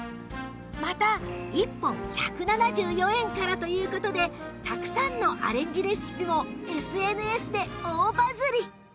また１本１７４円からという事でたくさんのアレンジレシピも ＳＮＳ で大バズり！